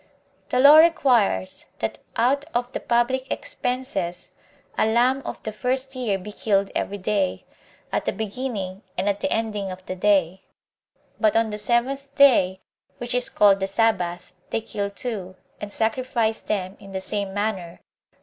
1. The law requires, that out of the public expenses a lamb of the first year be killed every day, at the beginning and at the ending of the day; but on the seventh day, which is called the Sabbath, they kill two, and sacrifice them in the same manner.